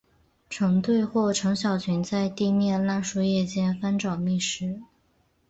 成对或成小群在地面烂树叶间翻找觅食。